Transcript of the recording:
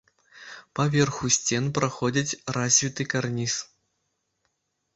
Па верху сцен праходзіць развіты карніз.